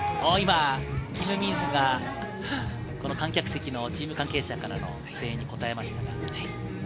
キム・ミンスが観客席のチーム関係者からの声援にこたえました。